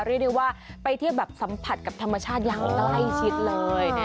เรียกได้ว่าไปเที่ยวแบบสัมผัสกับธรรมชาติอย่างใกล้ชิดเลย